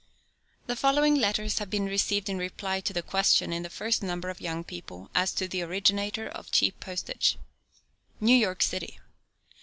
The following letters have been received in reply to the question, in the first number of Young People, as to the originator of cheap postage. NEW YORK CITY.